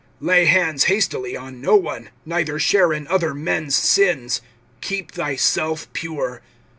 (22)Lay hands hastily on no one, neither share in other men's sins. Keep thyself pure.